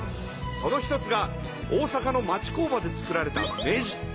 その一つが大阪の町工場で作られたネジ。